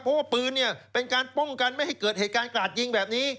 เพราะว่าปืนเนี่ยเป็นการป้องกันไม่ให้เกิดเหตุการณ์กราดยิงแบบนี้